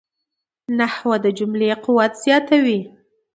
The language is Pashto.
نحوه د جملې قوت زیاتوي.